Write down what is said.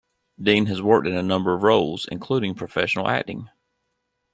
Dean has worked in a number of roles, including professional acting.